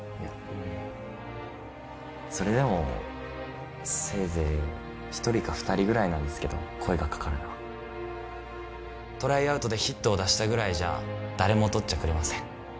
うんそれでもせいぜい１人か２人ぐらいなんですけど声がかかるのはトライアウトでヒットを出したぐらいじゃ誰もとっちゃくれません